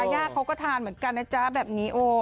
ย่าเขาก็ทานเหมือนกันนะจ๊ะแบบนี้โอ้